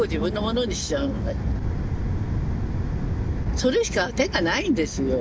それしか手がないんですよ。